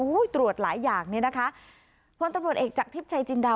ตรวจหลายอย่างเนี่ยนะคะพลตำรวจเอกจากทิพย์ชัยจินดา